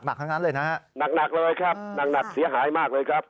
หนักทั้งนั้นเลยนะฮะหนักเลยครับหนักเสียหายมากเลยครับ